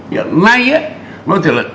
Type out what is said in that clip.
hiện nay nó chỉ là